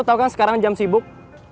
lu tahu kan sekarang jam sibuk